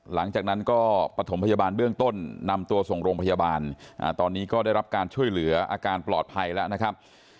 หลังจากนั้นก็ปฐมพยาบาลเบื้องต้นนำตัวส่งโรงพยาบาลตอนนี้ก็ได้รับการช่วยเหลืออาการปลอดภัยแล้วนะครับ